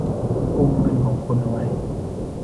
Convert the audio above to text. กุมเงินของคุณเอาไว้